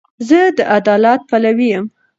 زه د عدالت پلوی یم.